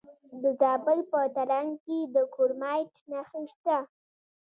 د زابل په ترنک کې د کرومایټ نښې شته.